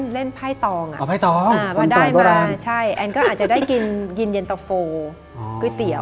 เล่นไพ่ตองอ่ะพอได้มาแอนก็อาจจะได้กินเย็นเตอร์โฟลก๋วยเตี๋ยว